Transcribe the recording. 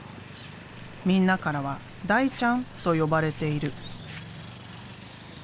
みんなからは「大ちゃん」と呼ばれている。